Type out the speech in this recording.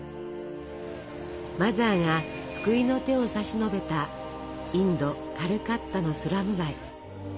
マザーが救いの手を差し伸べたインド・カルカッタのスラム街。